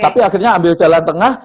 tapi akhirnya ambil jalan tengah